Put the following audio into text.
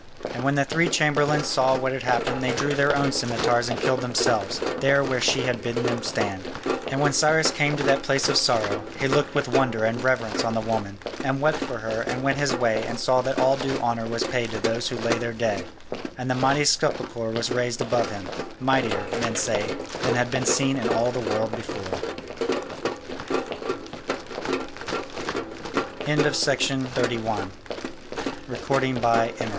And when the three chamberlains saw what had happened they drew their own scimitars and killed themselves, there where she had bidden them stand. [16, 17] And when Cyrus came to that place of sorrow, he looked with wonder and reverence on the woman, and wept for her and went his way and saw that all due honour was paid to those who lay there dead, and a mighty sepulchre was raised above them, mightier, men say, than had been seen i